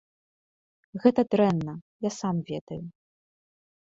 Гэта дрэнна, я сам ведаю.